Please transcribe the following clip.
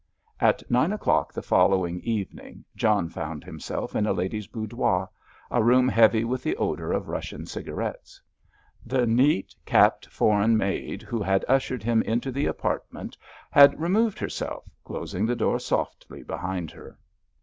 At nine o'clock the following evening John found himself in a lady's boudoir, a room heavy with the odour of Russian cigarettes. The neat, capped foreign maid who had ushered him into the apartment had removed herself, closing the door softly behind her.